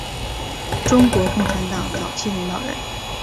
中国共产党早期领导人。